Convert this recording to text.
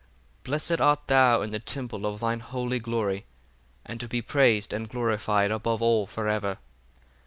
31 Blessed art thou in the temple of thine holy glory: and to be praised and glorified above all for ever.